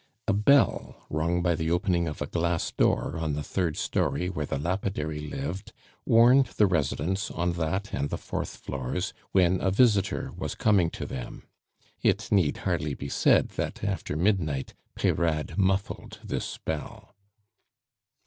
A bell rung by the opening of a glass door, on the third story where the lapidary lived warned the residents on that and the fourth floors when a visitor was coming to them. It need hardly be said that, after midnight, Peyrade muffled this bell.